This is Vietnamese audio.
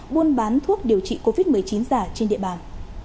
buôn bán thuốc điều trị covid một mươi chín giả trên địa bàn